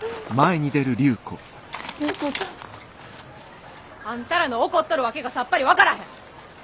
隆子ちゃん。あんたらの怒っとる訳がさっぱり分からへん。